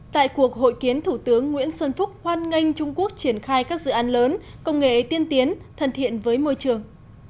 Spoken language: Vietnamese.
tại cuộc hội kiến thủ tướng nguyễn xuân phúc hoan nghênh trung quốc triển khai các dự án lớn công nghệ tiên tiến thân thiện với môi trường